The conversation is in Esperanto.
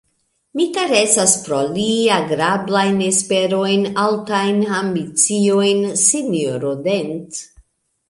Mi karesas pro li agrablajn esperojn, altajn ambiciojn, sinjoro Dent.